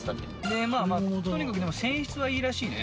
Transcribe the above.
でまあまあとにかく泉質はいいらしいね。